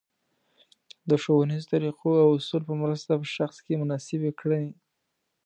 د ښونیزو طریقو او اصولو په مرسته په شخص کې مناسبې کړنې